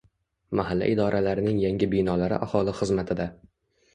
Mahalla idoralarining yangi binolari aholi xizmatida